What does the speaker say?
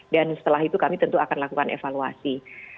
dan setelah itu kami tentu akan lakukan evaluasi